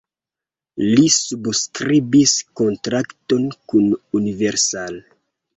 Li subskribis kontrakton kun Universal.